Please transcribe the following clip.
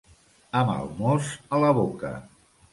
Amb el mos a la boca.